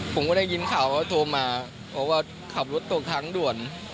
ผมก็ได้ยินข่าวว่าโทรมาบอกว่าขับรถตกทางด่วน